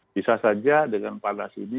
bisa saja dengan panas ini